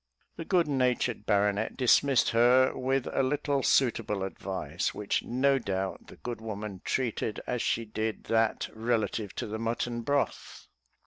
The good natured baronet dismissed her with a little suitable advice, which no doubt the good woman treated as she did that relative to the mutton broth.